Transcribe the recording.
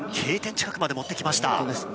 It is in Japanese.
Ｋ点近くまで持ってきました。